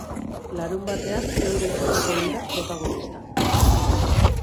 Larunbatean eurek izango dira protagonista.